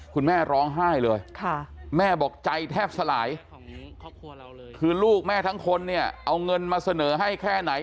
คุณแม่ร้องไห้เลยแม่บอกใจแทบสลายคือลูกแม่ทั้งคนเนี่ยเอาเงินมาเสนอให้แค่ไหน